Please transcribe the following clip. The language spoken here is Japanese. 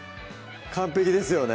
完璧ですよね